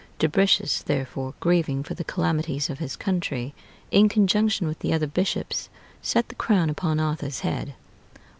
Dubricius, therefore, grieving for the calamities of his country, in conjunction with the other bishops set the crown upon Arthur's head.